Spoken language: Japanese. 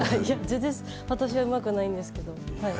全然、私はうまくないんですけど。